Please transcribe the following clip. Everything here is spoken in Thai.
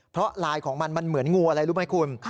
เพราะลายของมันมันเหมือนงูอะไรรู้ไหมคุณ